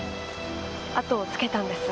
あとをつけたんです。